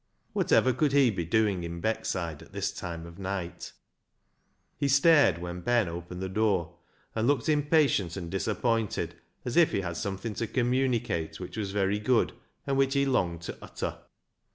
Whatever could he be doing in Beckside at this time of night ? He stared when Ben opened the door, and looked impatient and disappointed, as if he had something to communicate which was very good and which he longed to utter.